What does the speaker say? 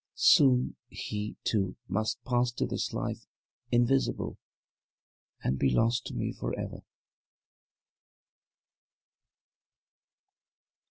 Soon he, too, must pass to this Life Invisible and be lost to me for ever.